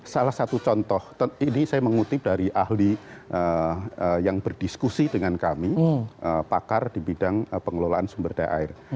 salah satu contoh ini saya mengutip dari ahli yang berdiskusi dengan kami pakar di bidang pengelolaan sumber daya air